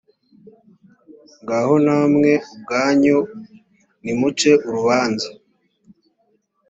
ngaho namwe ubwanyu nimuce urubanza